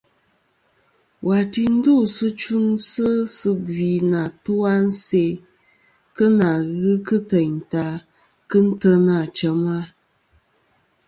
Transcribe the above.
Wà ti ndusɨ tfɨŋsɨ sɨ gvi nɨ atu-a a nse kɨ ghɨ kɨ teyn ta kɨ n-tena chem-a.